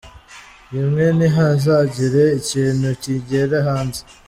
Rimwe Ntihazagire ikintu kigera hanze.